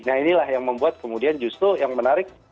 nah inilah yang membuat kemudian justru yang menarik